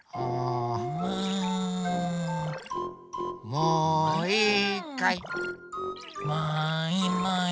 もういいかい？もいもい。